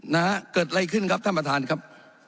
นะฮะเกิดอะไรขึ้นครับท่านประธานครับ